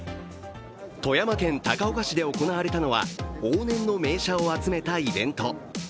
富山県高岡市で行われたのは往年の名車を集めたイベント。